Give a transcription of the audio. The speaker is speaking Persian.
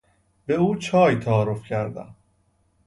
به او چای تعارف کردم.